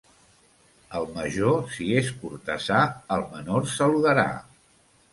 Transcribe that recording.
El major, si és cortesà, al menor saludarà.